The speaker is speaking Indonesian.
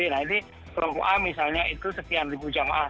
nah ini kelompok a misalnya itu sekian ribu jamaah